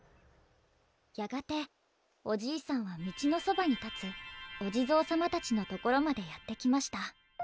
「やがておじいさんは道のそばに立つお地蔵様たちのところまでやってきました。